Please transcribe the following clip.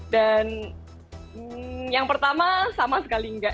dan yang pertama sama sekali enggak